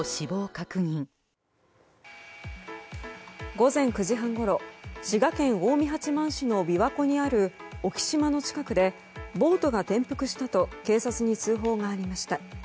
午前９時半ごろ滋賀県近江八幡市の琵琶湖にある沖島の近くでボートが転覆したと警察に通報がありました。